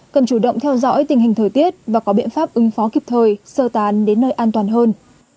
cần chủ động theo dõi tình hình thời tiết và có biện pháp ứng phó kịp thời sơ tán đến nơi an toàn hơn